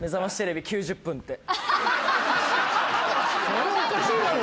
それはおかしいだろ。